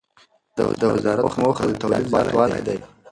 د وزارت موخه د تولید زیاتوالی دی.